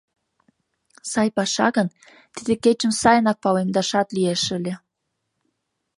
Сай паша гын, тиде кечым сайынак палемдашат лиеш ыле.